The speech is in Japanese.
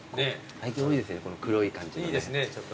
最近多いですねこの黒い感じのね。